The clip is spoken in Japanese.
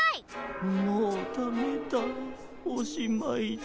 もうダメだおしまいだ。